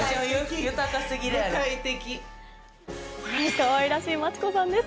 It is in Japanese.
かわいらしい町子さんです。